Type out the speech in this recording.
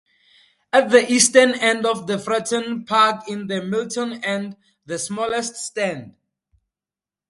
At the eastern end of Fratton Park is the 'Milton End', the smallest stand.